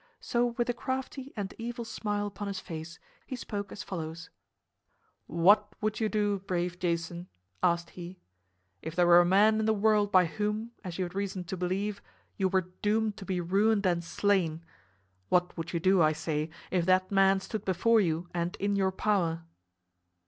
So with a crafty and evil smile upon his face, he spoke as follows: "What would you do, brave Jason," asked he, "if there were a man in the world by whom, as you had reason to believe, you were doomed to be ruined and slain what would you do, I say, if that man stood before you and in your power?"